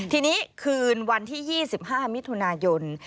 ทีนี้คืนวันที่๒๕มิถุนายน